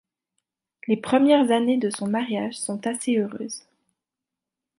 Les premières années de son mariage sont assez heureuses.